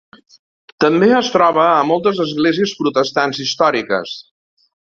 També es troba a moltes esglésies protestants històriques.